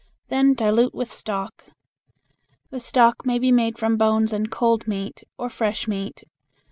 Then dilute with stock. This stock may be made from bones and cold meat or fresh meat.